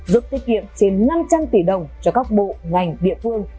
giúp tiết kiệm trên năm trăm linh tỷ đồng cho các bộ ngành địa phương